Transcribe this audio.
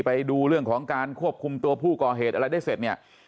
ไปดูเรื่องของการควบคุมตัวผู้ก่อเหตุอะไรได้เสร็จเนี่ย